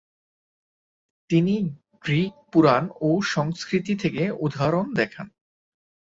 তিনি গ্রিক পুরাণ ও সংস্কৃতি থেকে উদাহরণ দেখান।